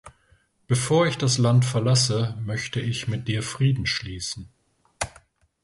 Bevor ich das Land verlasse, möchte ich mit dir Frieden schließen.